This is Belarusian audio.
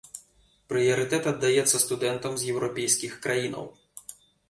Прыярытэт аддаецца студэнтам з еўрапейскіх краінаў.